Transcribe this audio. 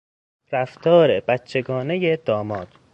رفتار بچهگانهی داماد